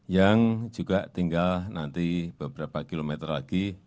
yang juga tinggal nanti beberapa kilometer lagi